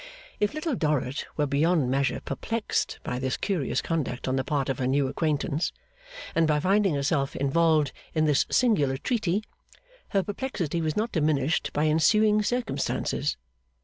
If Little Dorrit were beyond measure perplexed by this curious conduct on the part of her new acquaintance, and by finding herself involved in this singular treaty, her perplexity was not diminished by ensuing circumstances.